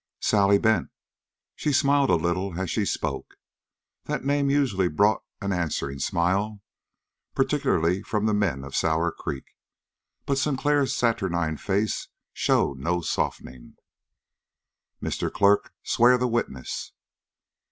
"Sally Bent." She smiled a little as she spoke. That name usually brought an answering smile, particularly from the men of Sour Creek. But Sinclair's saturnine face showed no softening. "Mr. Clerk, swear the witness."